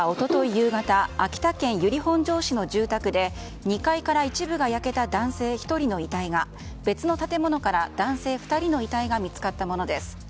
夕方秋田県由利本荘市の住宅で２階から一部が焼けた男性１人の遺体が別の建物から男性２人の遺体が見つかったものです。